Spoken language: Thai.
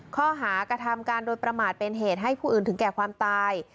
ข้อหากระทำการโดยประมาทเป็นเหตุให้ผู้อื่นถึงแก่ความตาย